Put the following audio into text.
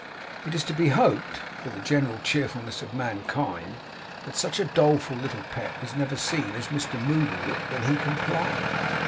It is to be hoped, for the general cheerfulness of mankind, that such a doleful little pet was never seen as Mr Moddle looked when he complied.